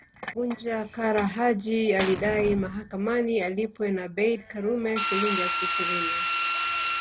Punja Kara Haji alidai mahakamani alipwe na Abeid Karume Shilingi elfu ishirini